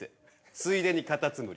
ついでにカタツムリ。